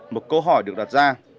một câu hỏi được đặt ra